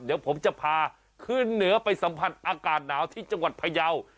เดี๋ยวผมจะพาขึ้นเหนือไปสัมผัสอากาศหนาวที่จังหวัดพยาว